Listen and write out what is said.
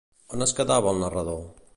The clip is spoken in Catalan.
On es quedava el narrador?